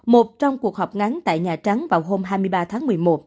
một trong cuộc họp ngắn tại nhà trắng vào hôm hai mươi ba tháng một mươi một